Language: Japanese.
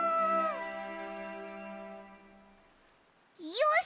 よし！